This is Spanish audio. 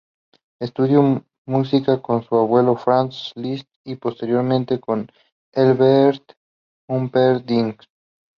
Estudió música con su abuelo Franz Liszt y posteriormente con Engelbert Humperdinck.